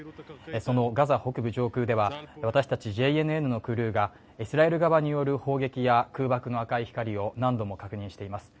そのガザ北部上空では私たちＪＮＮのクルーがイスラエル側による砲撃や空爆の赤い光を何度も確認しています。